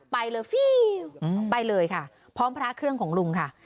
ไปเลยฟิวไปเลยค่ะพร้อมพระเครื่องของลุงค่ะ